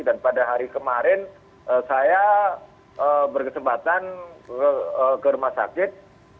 dan pada hari kemarin saya berkesempatan ke rumah sakit